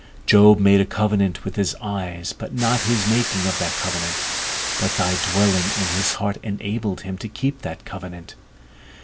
Job made a covenant with his eyes, but not his making of that covenant, but thy dwelling in his heart, enabled him to keep that covenant.